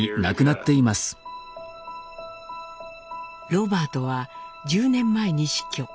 ロバートは１０年前に死去。